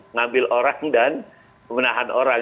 ngambil orang dan menahan orang